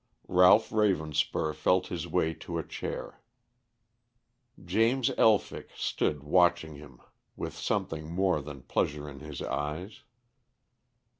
Ralph Ravenspur felt his way to a chair. James Elphick stood watching him with something more than pleasure in his eyes.